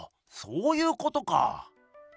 そういうことか。